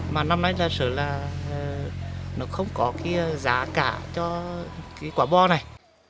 mà năm nay là sửa là nó không có cái giá cả cho cái quả bò này